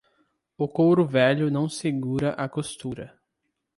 O couro velho não segura a costura.